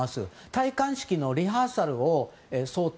戴冠式のリハーサルを早退。